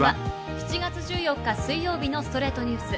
７月１４日、水曜日の『ストレイトニュース』。